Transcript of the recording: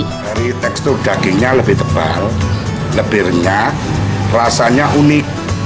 dari tekstur dagingnya lebih tebal lebih renyah rasanya unik